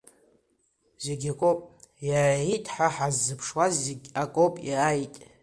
Зегь акоуп иааиит, ҳа ҳаззыԥшуаз, зегь акоуп иааиит…